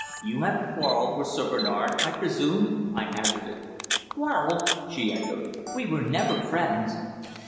"You have quarrelled with Sir Bernard, I presume?" I hazarded. "Quarrelled!" she echoed. "We were never friends."